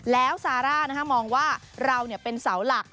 แล้วซาร่ามองว่าเราเป็นเสาหลัก